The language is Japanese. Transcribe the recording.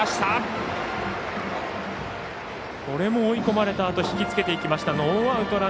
追い込まれたあと引きつけていきました。